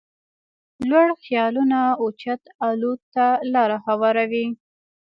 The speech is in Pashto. لوړ خيالونه اوچت الوت ته لاره هواروي.